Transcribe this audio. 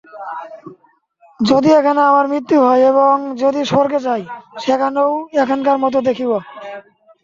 যদি এখানে আমার মৃত্যু হয় এবং যদি স্বর্গে যাই, সেখানেও এখানকারই মত দেখিব।